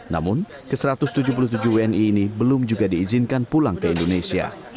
namun ke satu ratus tujuh puluh tujuh wni ini belum juga diizinkan pulang ke indonesia